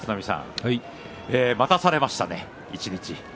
待たされましたね、一日。